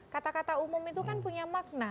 kata kata umum itu kan punya makna